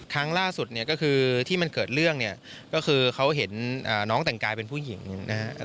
ครั้งล่าสุดเนี่ยก็คือที่มันเกิดเรื่องเนี่ยก็คือเขาเห็นน้องแต่งกายเป็นผู้หญิงนะครับ